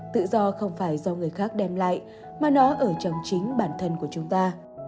tự do không phải do người khác đem lại mà nó ở trong chính bản thân của chúng ta